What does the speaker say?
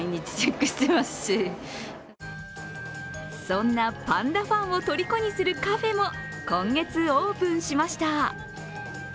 そんなパンダファンをとりこにするカフェも今月オープンしました。